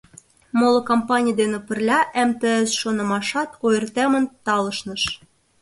Моло кампаний дене пырля МТС шонымашат ойыртемын талышныш.